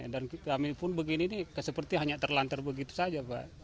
dan kami pun begini seperti hanya terlantar begitu saja pak